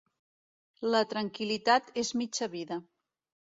La tranquil·litat és mitja vida.